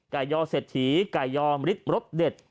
ยอเศรษฐีไก่ยอมริดรสเด็ด